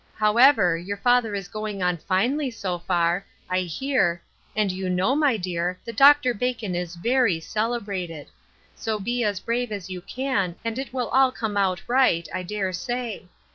How ever, your father is going on finely, so far, J 234 Ruth Ershine*9 Crosses, hear, and you know, my dear, that Dr. Bacon IS very celebrated ; so be as brave as you can and it will all come out right, I dare say.